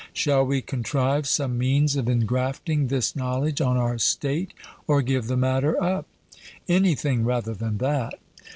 Shall we contrive some means of engrafting this knowledge on our state, or give the matter up? 'Anything rather than that.'